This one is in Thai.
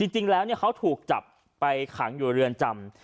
จริงแล้วเขาถูกจับไปขังอยู่เรือนจำ